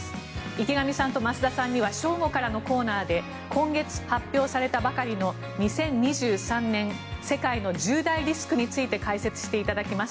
池上さんと増田さんには正午からのコーナーで今月発表されたばかりの２０２３年世界の１０大リスクについて解説していただきます。